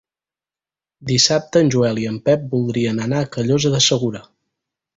Dissabte en Joel i en Pep voldrien anar a Callosa de Segura.